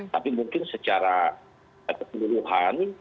tapi mungkin secara keteluruhan